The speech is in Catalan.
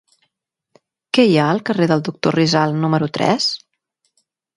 Què hi ha al carrer del Doctor Rizal número tres?